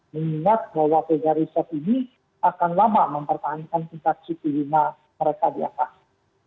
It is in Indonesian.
mengingat bahwa pegawai riset ini akan lama mempertahankan tingkat c lima mereka di atas